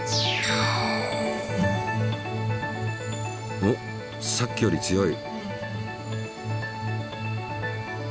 おっさっきより強い！